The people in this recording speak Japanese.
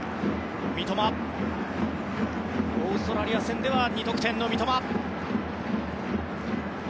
オーストラリア戦では２得点の三笘。